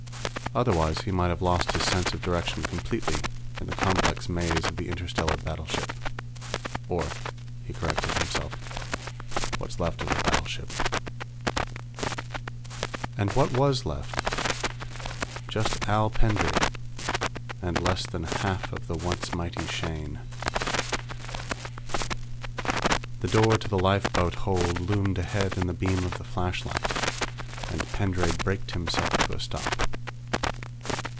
Otherwise, he might have lost his sense of direction completely in the complex maze of the interstellar battleship. Or, he corrected himself, what's left of a battleship. And what was left? Just Al Pendray and less than half of the once mighty Shane. The door to the lifeboat hold loomed ahead in the beam of the flashlight, and Pendray braked himself to a stop.